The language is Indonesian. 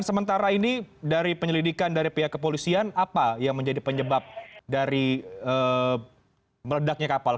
sementara ini dari penyelidikan dari pihak kepolisian apa yang menjadi penyebab dari meledaknya kapal